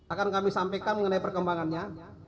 akan kami sampaikan mengenai perkembangannya